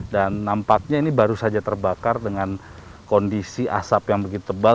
nampaknya ini baru saja terbakar dengan kondisi asap yang begitu tebal